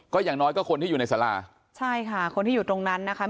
ก็อย่างน้อยก็คนที่อยู่ในสาราใช่ค่ะคนที่อยู่ตรงนั้นนะคะ